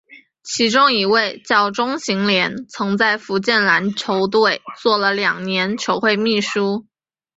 其中一位叫钟行廉曾在福建篮球队做了两年球会秘书。